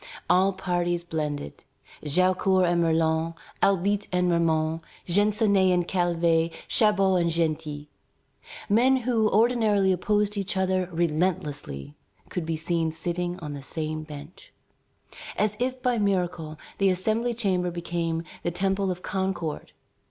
All parties blended. Jaucourt and Merlin, Albite and Ramond, Gensonné and Calvet, Chabot and Genty, men who ordinarily opposed each other relentlessly, could be seen sitting on the same bench. As if by miracle, the Assembly chamber became the temple of Concord.